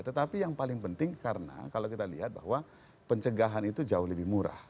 tetapi yang paling penting karena kalau kita lihat bahwa pencegahan itu jauh lebih murah